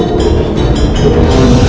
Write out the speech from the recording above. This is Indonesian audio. ikut aku sekarang xemu